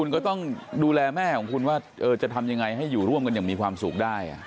คุณก็ต้องดูแลแม่ของคุณว่าจะทำยังไงให้อยู่ร่วมกันอย่างมีความสุขได้